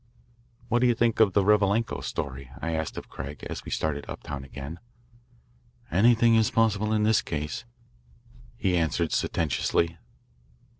"What do you think of the Revalenko story?" I asked of Craig, as we started uptown again. "Anything is possible in this case," he answered sententiously.